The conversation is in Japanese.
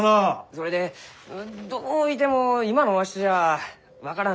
それでどういても今のわしじゃ分からん植物がある。